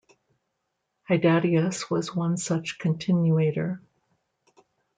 Hydatius was one such continuator.